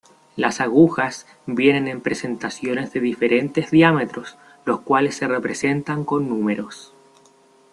Las agujas vienen en presentaciones de diferentes diámetros, los cuales se representan con números.